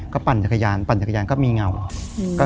ก็ปั่นจักรยานปั่นจักรยานก็มีเงา